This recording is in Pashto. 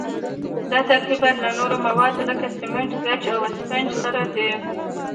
دا ترکیبات له نورو موادو لکه سمنټ، ګچ او اسفنج سره دي.